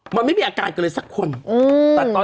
มันไม่มีอาการแบบนี้ก็เลยสักคน